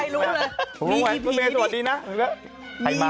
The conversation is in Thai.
ไม่มีใครรู้เลยมีพี่พี่นี่เขาทำไว้โตเตชวัดดีนะ